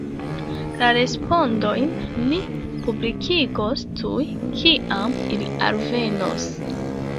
La respondojn ni publikigos tuj kiam ili alvenos.